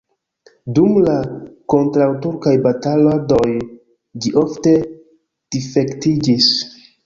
Dum la kontraŭturkaj bataladoj ĝi ofte difektiĝis.